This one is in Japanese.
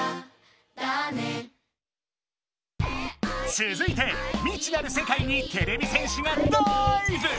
つづいて未知なるせかいにてれび戦士がダーイブ！